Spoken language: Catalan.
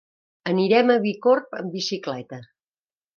Anirem a Bicorb amb bicicleta.